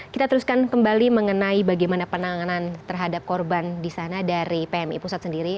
kita teruskan kembali mengenai bagaimana penanganan terhadap korban di sana dari pmi pusat sendiri